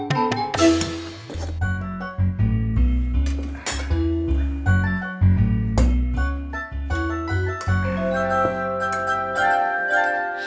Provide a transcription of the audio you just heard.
bapak terima kasih